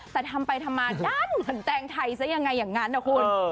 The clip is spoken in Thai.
แต่ทำไปทำมาด้านเหมือนแตงไทยซะยังไงอย่างนั้นนะคุณ